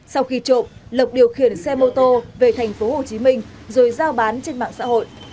sau khi trộm lộc điều khiển xe mô tô về thành phố hồ chí minh rồi giao bán trên mạng xã hội